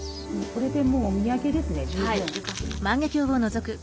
これでもうお土産ですね十分。